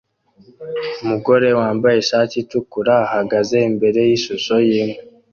Umugore wambaye ishati itukura ahagaze imbere yishusho yinka